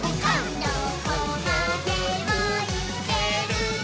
「どこまでもいけるぞ！」